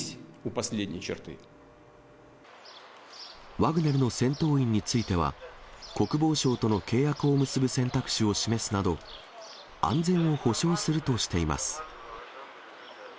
ワグネルの戦闘員については、国防省との契約を結ぶ選択肢を示すなど、安全を保障するとしています。